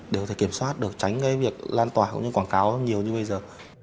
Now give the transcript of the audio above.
để có thể kiểm soát được tránh cái việc lan tỏa của những quảng cáo nhiều như bây giờ